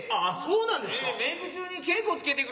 あっそうなんですか。